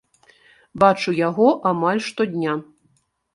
Бачу яго амаль штодня.